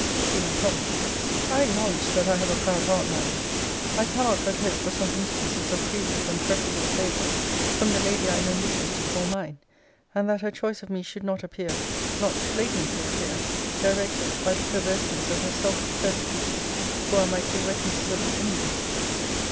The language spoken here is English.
He went on. I acknowledge that I have a proud heart, Madam. I cannot but hope for some instances of previous and preferable favour from the lady I am ambitious to call mine; and that her choice of me should not appear, not flagrantly appear, directed by the perverseness of her selfish persecutors, who are my irreconcilable enemies.